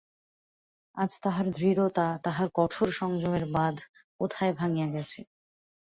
আজ তাহার দৃঢ়তা, তাহার কঠোর সংযমের বাঁধ কোথায় ভাঙিয়া গেছে।